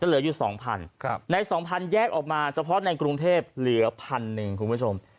จะเหลืออยู่๒๐๐๐ใน๒๐๐๐แยกออกมาส่วนในกรุงเทพฯเหลือ๑๐๐๐คุณผู้ชม